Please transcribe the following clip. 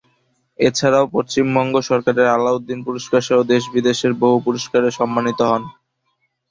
এছাড়াও পশ্চিমবঙ্গ সরকারের আলাউদ্দিন পুরস্কারসহ দেশ বিদেশের বহু পুরস্কারে সম্মানিত হন।